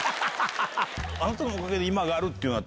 あなたのおかげで今があるっていうのは。